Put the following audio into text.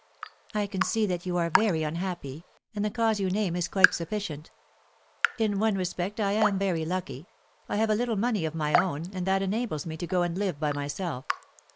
"I can see that you are very unhappy, and the cause you name is quite sufficient." "In one respect, I am very lucky. I have a little money of my own, and that enables me to go and live by myself.